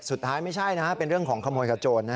สุดท้ายไม่ใช่นะเป็นเรื่องของขโมยกับโจทย์นะฮะ